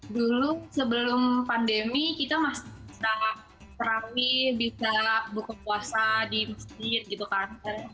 dulu sebelum pandemi kita masih bisa terawih bisa buka puasa di masjid gitu kan